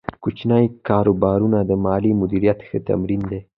کوچني کاروبارونه د مالي مدیریت ښه تمرین دی۔